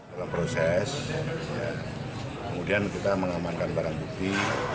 dalam proses kemudian kita mengamankan barang bukti